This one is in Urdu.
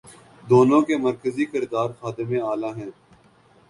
دونوں کے مرکزی کردار خادم اعلی ہیں۔